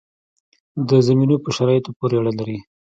د زمینو په شرایطو پورې اړه لري.